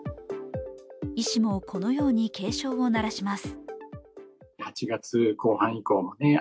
医師もこのように警鐘を鳴らします。